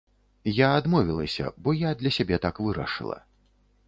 Я адмовілася, бо я для сябе так вырашыла.